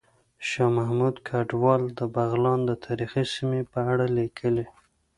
شاه محمود کډوال د بغلان د تاریخي سیمې په اړه ليکلي